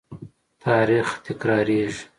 تاریخ تکرارېږي.